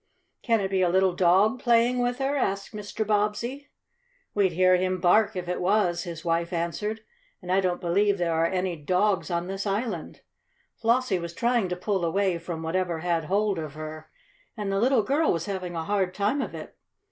"Can it be a little dog playing with her?" asked Mr. Bobbsey. "We'd hear him bark if it was," his wife answered. "And I don't believe there are any dogs on this island." Flossie was trying to pull away from whatever had hold of her, and the little girl was having a hard time of it.